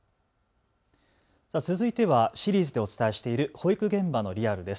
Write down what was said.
続いてはシリーズでお伝えしている保育現場のリアルです。